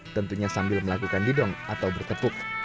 tentunya sambil melakukan didong atau bertepuk